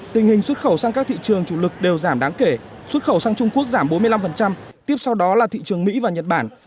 tình hình xuất khẩu sang các thị trường chủ lực đều giảm đáng kể xuất khẩu sang trung quốc giảm bốn mươi năm tiếp sau đó là thị trường mỹ và nhật bản